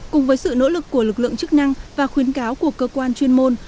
cùng với sự nỗ lực của lực lượng chức năng và khuyến cáo của cơ quan chuyên môn